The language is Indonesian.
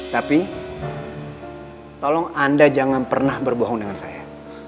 tapi tolong anda jangan pernah berbohong dengan saya